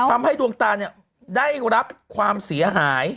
ทำให้ดวงตาเนี่ยได้รับความเสียหาย